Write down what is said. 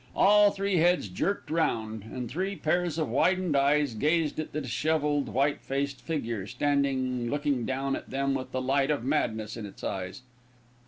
All three heads jerked round, and three pairs of widened eyes gazed at the dishevelled, white faced figure, standing looking down at them with the light of madness in its eyes.